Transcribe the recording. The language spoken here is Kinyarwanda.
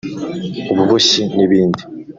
ububoshyi n’ibindi